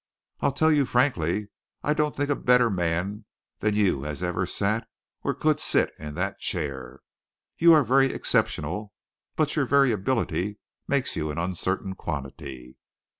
I'll tell you frankly I don't think a better man than you has ever sat, or could sit, in that chair. You are very exceptional, but your very ability makes you an uncertain quantity.